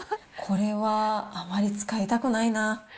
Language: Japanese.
これはあまり使いたくないな。